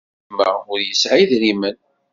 Gma ur yesɛi idrimen.